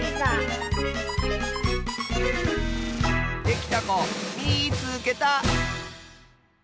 できたこみいつけた！